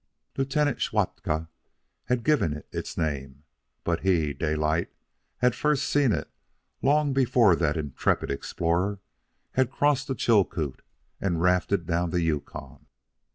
Lieutenant Schwatka had given it its name, but he, Daylight, had first seen it long before that intrepid explorer had crossed the Chilcoot and rafted down the Yukon.